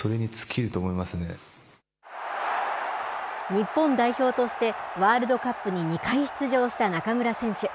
日本代表として、ワールドカップに２回出場した中村選手。